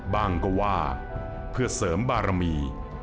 บ้างก็ว่าเพื่อเสริมบารมี